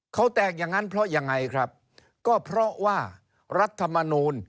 เขาแตกอย่างนั้นเพราะยังไงครับก็เพราะว่ารัฐมนูล